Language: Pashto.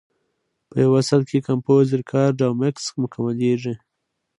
په یو ساعت کې کمپوز، ریکارډ او مکس مکملېږي.